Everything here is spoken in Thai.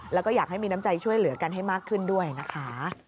แล้วก็อยากให้มีน้ำใจช่วยเหลือกันให้มากขึ้นด้วยนะคะ